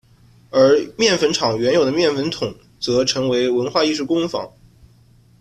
而面粉厂原有的面粉筒则成为文化艺术工坊。